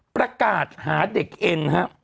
ประกาศหาเด็กเอ็นฮะ